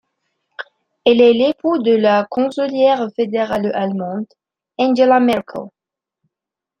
Il est l'époux de la chancelière fédérale allemande, Angela Merkel.